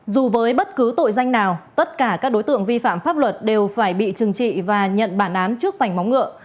dù với bất cứ tội danh nào tất cả các đối tượng vi phạm pháp luật đều phải bị trừng trị và nhận bản án trước vảnh móng ngựa